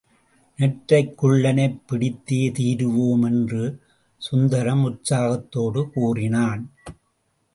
நெட்டைக்குள்ளனைப் பிடித்தே தீருவோம் என்று சுந்தரம் உற்சாகத்தோடு கூறினான்.